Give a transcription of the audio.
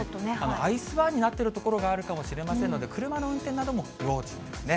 アイスバーンになっている所があるかもしれませんので、車の運転なども用心ですね。